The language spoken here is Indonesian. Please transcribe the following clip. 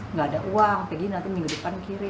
nggak ada uang pergi nanti minggu depan kiri